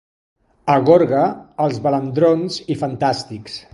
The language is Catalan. A Gorga, els balandrons i fantàstics.